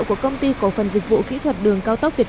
cũng có đối tượng